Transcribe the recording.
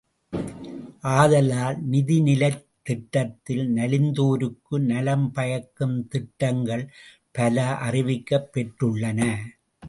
ஆதலால் நிதிநிலைத் திட்டத்தில் நலிந்தோருக்கு நலம் பயக்கும் திட்டங்கள் பல அறிவிக்கப் பெற்றுள்ளன.